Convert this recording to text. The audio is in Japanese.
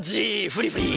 フリフリ。